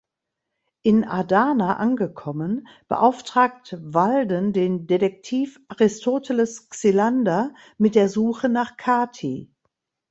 In Adana angekommen beauftragt Walden den Detektiv Aristoteles Xylander mit der Suche nach Kathi.